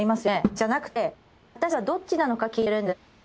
じゃなくて私はどっちなのか聞いてるんです。